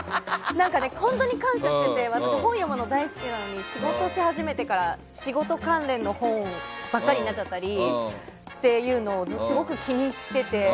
本当に感謝していて私、本読むの大好きなのに仕事し始めてから仕事関連の本ばかりになったりというのをすごく気にしていて。